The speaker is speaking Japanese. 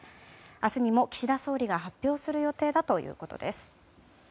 明日にも岸田総理が発表する予定だということです。